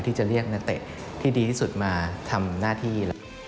ที่จะเรียกนักเตะที่ดีที่สุดมาทำหน้าที่